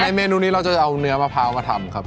เมนูนี้เราจะเอาเนื้อมะพร้าวมาทำครับ